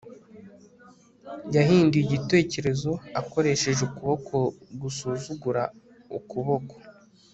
yahinduye igitekerezo akoresheje ukuboko gusuzugura ukuboko